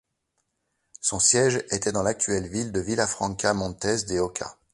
Son siège était dans l'actuelle ville de Villafranca Montes de Oca.